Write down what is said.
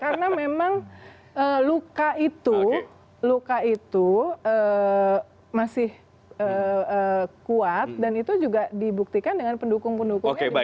karena memang luka itu masih kuat dan itu juga dibuktikan dengan pendukung pendukungnya di media sosial